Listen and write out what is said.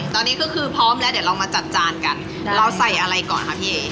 ตอนนี้ก็คือพร้อมแล้วเดี๋ยวเรามาจัดจานกันเราใส่อะไรก่อนคะพี่เอ๋